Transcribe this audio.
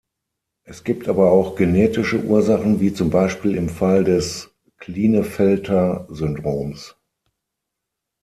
Es gibt aber auch genetische Ursachen, wie zum Beispiel im Fall des Klinefelter-Syndroms.